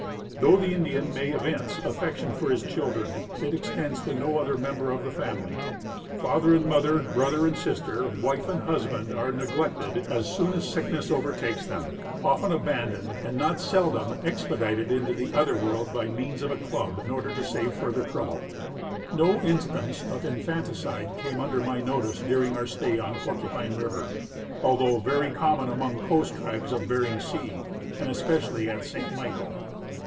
Though the Indian may evince affection for his children, it extends to no other member of the family. Father and mother, brother and sister, wife and husband are neglected as soon as Native Dishonesty and Hospitality. 193 sickness overtakes them, often abandoned, and not seldom expe dited into the other world by means of a club in order to save further trouble. No instance of infanticide came under my notice during our stay on Porcupine river, although very com mon among the coast tribes of Bering sea, and especiall}^ at Saint Michael.